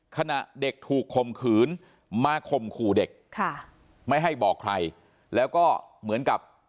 ขณะเด็กถูกคมขืนมาข่มขู่เด็กค่ะไม่ให้บอกใครแล้วก็เหมือนกับ